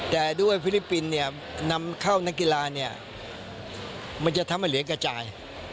แต่ด้วยฟิลิปปินส์เนี่ยนำเข้านักกีฬาเนี่ยมันจะทำให้เหรียญกระจาย